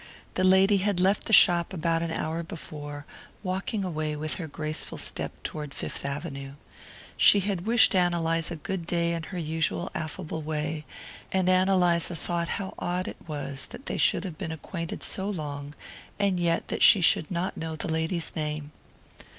The lady had left the shop about an hour before, walking away with her graceful step toward Fifth Avenue. She had wished Ann Eliza good day in her usual affable way, and Ann Eliza thought how odd it was that they should have been acquainted so long, and yet that she should not know the lady's name.